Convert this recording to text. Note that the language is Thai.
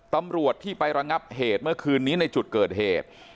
ตำรวจที่ไประงับเหตุเมื่อคืนนี้ในจุดเกิดเหตุ